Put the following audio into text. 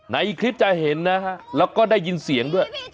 ในคลิปจะเห็นนะฮะแล้วก็ได้ยินเสียงด้วย